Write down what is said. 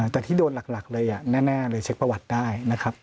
แต่ที่โดนหลักเลยแน่เลยเช็คประวัติได้นะครับ